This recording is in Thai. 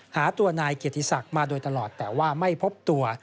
หาตัวนายเกียรติศักดิ์มาโดยตลอดแต่ว่าไม่พบตัว